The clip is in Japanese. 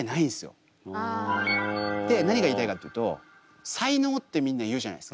で何が言いたいかっていうと才能ってみんな言うじゃないですか。